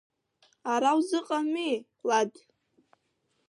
Ара узыҟами, Лад?!